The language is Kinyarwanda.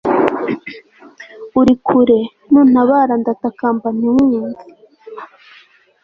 uri kure, ntuntabara; ndatakamba ntiwumve